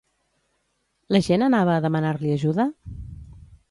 La gent anava a demanar-li ajuda?